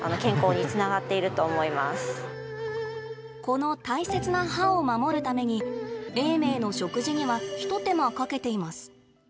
この大切な歯を守るために永明の食事には一手間かけています。